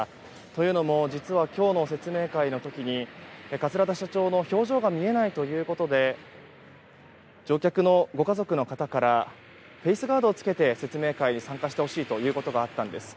というのも実は今日の説明会の時に桂田社長の表情が見えないということで乗客のご家族の方からフェースガードを着けて説明会に参加してほしいということがあったんです。